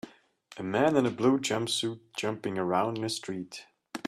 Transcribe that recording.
A man in a blue jumpsuit jumping around in a street.